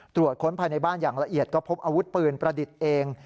ตรวจค้นภายในบ้านอย่างละเอียดก็พบอาวุธปืนประดิษฐ์เอง